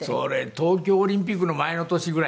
東京オリンピックの前の年ぐらい。